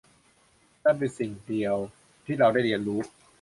นั่นเป็นสิ่งเดียวที่เราได้เรียนรู้